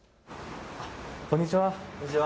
こんにちは。